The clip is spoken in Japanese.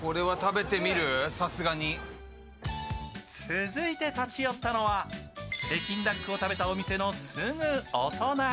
続いて立ち寄ったのは北京ダックを食べたお店のすぐお隣。